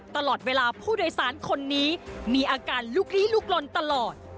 ตลอดเวลาผู้โดยสารคนนี้มีอาการลุกลี้ลุกลนตลอด